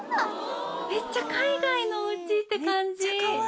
めっちゃ海外のおうちって感じ。